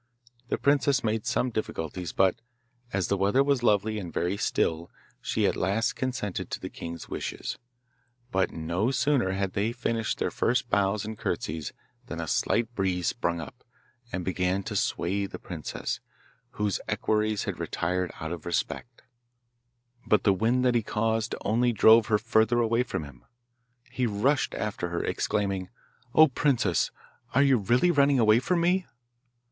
The princess made some difficulties, but, as the weather was lovely and very still, she at last consented to the king's wishes. But no sooner had they finished their first bows and curtseys than a slight breeze sprung up, and began to sway the princess, whose equerries had retired out of respect. The king went forward to steady her, but the wind that he caused only drove her further away from him. He rushed after her exclaiming, 'O princess! are you really running away from me?